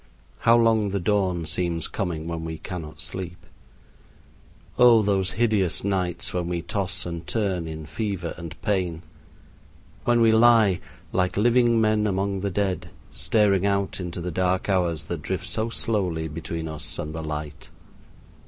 How long the dawn seems coming when we cannot sleep! Oh! those hideous nights when we toss and turn in fever and pain, when we lie, like living men among the dead, staring out into the dark hours that drift so slowly between us and the light.